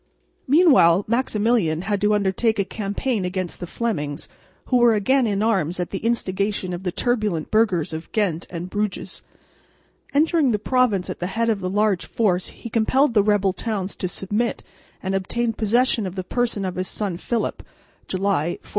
Meanwhile Maximilian had to undertake a campaign against the Flemings, who were again in arms at the instigation of the turbulent burghers of Ghent and Bruges. Entering the province at the head of a large force he compelled the rebel towns to submit and obtained possession of the person of his son Philip (July, 1485).